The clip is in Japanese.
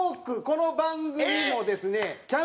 この番組もですね